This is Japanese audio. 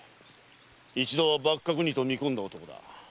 一度幕閣にと見込んだ男だ。